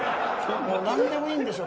何でもいいんでしょ？